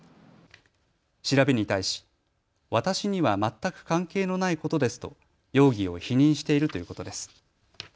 調べに対し私には全く関係のないことですと容疑を否認しているということです。